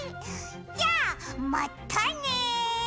じゃあまったね！